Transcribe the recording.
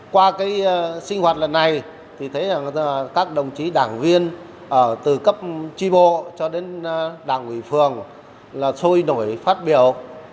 qua sinh hoạt lần này các đồng chí đảng viên từ cấp tri bộ cho đến đảng ủy phường sôi nổi phát biểu